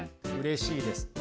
うれしいです。